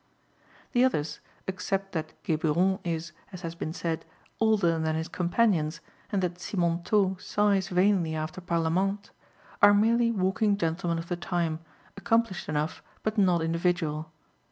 The others, except that Geburon is, as had been said, older than his companions, and that Simontault sighs vainly after Parlamente, are merely walking gentlemen of the time, accomplished enough, but not individual.